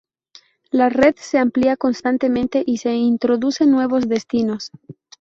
La red se amplía constantemente y se introducen nuevos destinos.